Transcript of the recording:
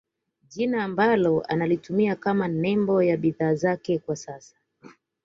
Jina ambalo analitumia kama nembo ya bidhaa zake kwa sasa